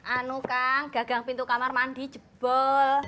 anu kan gagang pintu kamar mandi jebol